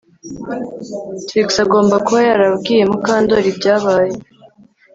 Trix agomba kuba yarabwiye Mukandoli ibyabaye